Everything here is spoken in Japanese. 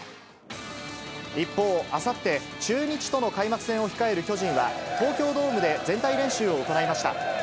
一方、あさって、中日との開幕戦を控える巨人は、東京ドームで全体練習を行いました。